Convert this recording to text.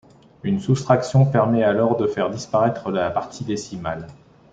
Une soustraction permet alors de faire disparaître la partie décimale.